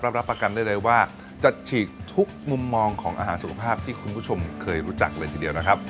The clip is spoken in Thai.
รับประกันได้เลยว่าจะฉีกทุกมุมมองของอาหารสุขภาพที่คุณผู้ชมเคยรู้จักเลยทีเดียวนะครับ